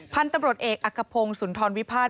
พันธุ์ตำรวจเอกอักภงสุนทรวิพาท